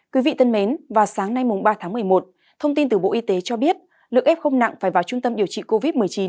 quý vị thân mến vào sáng nay ba tháng một mươi một thông tin từ bộ y tế cho biết lượng f nặng phải vào trung tâm điều trị covid một mươi chín